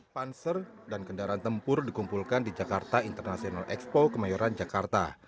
panser dan kendaraan tempur dikumpulkan di jakarta international expo kemayoran jakarta